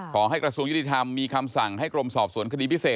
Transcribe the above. กระทรวงยุติธรรมมีคำสั่งให้กรมสอบสวนคดีพิเศษ